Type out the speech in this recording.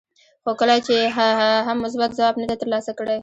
خو کله یې هم مثبت ځواب نه دی ترلاسه کړی.